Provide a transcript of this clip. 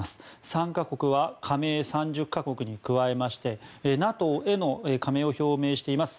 参加国は加盟３０か国に加えましてＮＡＴＯへの加盟を表明しています